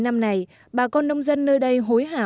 năm nay bà con nông dân nơi đây hối hả